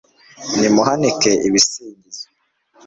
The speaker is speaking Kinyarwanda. nimuhanike ibisingizo